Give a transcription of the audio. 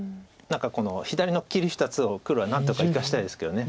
この左の切り２つを黒は何とか生かしたいですけど。